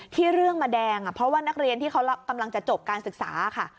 เรื่องมาแดงเพราะว่านักเรียนที่เขากำลังจะจบการศึกษาค่ะ